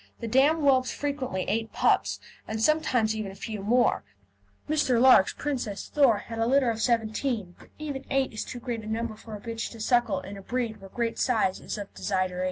The dam whelps frequently eight puppies, and sometimes even a few more. Mr. Larke's Princess Thor had a litter of seventeen, but even eight is too great a number for a bitch to suckle in a breed where great size is a desideratum.